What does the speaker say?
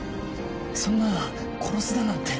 そんな殺すだなんて。